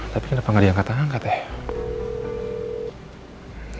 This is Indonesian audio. tapi kenapa gak diangkat angkat ya